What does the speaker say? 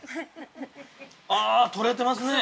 あ取れてますね。